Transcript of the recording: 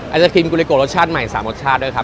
ไอศกรีมกูลิโกะรสชาติใหม่สามรสชาติด้วยครับ